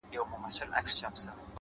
• اوس كرۍ ورځ زه شاعري كومه ـ